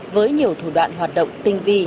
với nhiều thủ đoạn hoạt động tinh vi